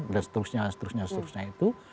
dan seterusnya seterusnya seterusnya itu